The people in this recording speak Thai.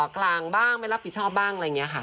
กลางบ้างไม่รับผิดชอบบ้างอะไรอย่างนี้ค่ะ